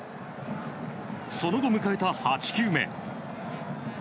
その後、迎えた８球目。